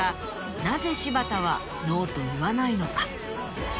なぜ柴田はＮＯと言わないのか？